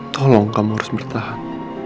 tolong kamu harus bertahan